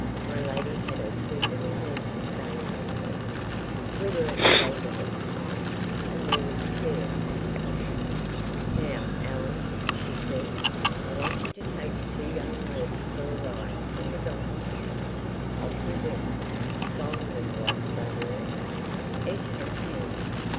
My lady had her two little nieces staying with her—we were at Sheldon at the time—and there was a fair on the common. "Now, Ellen," she said, "I want you to take the two young ladies for a ride on the donkeys." Off we went; solemn little loves they were; each had a hand.